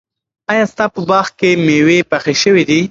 ایا ستا په باغ کې مېوې پخې شوي دي؟